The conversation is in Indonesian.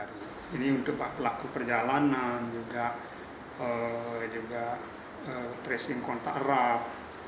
ini untuk pelaku perjalanan juga tracing kontak erat